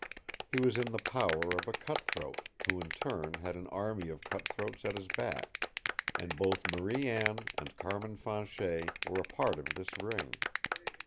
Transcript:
He was in the power of a cut throat, who in turn had an army of cut throats at his back, and both Marie Anne and Carmin Fanchet were a part of this ring.